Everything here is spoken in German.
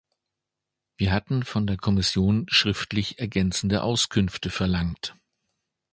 Wir hatten von der Kommission schriftlich ergänzende Auskünfte verlangt.